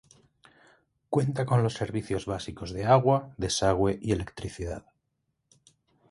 Cuenta con los servicios básicos de agua, desagüe y electricidad.